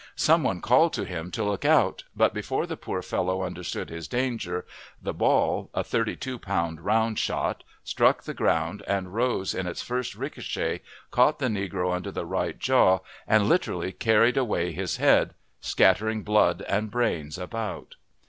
Some one called to him to look out; but, before the poor fellow understood his danger, the ball (a thirty two pound round shot) struck the ground, and rose in its first ricochet, caught the negro under the right jaw, and literally carried away his head, scattering blood and brains about.